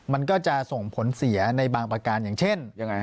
มันก็จะส่งผลเสียในบางประการอย่างเช่น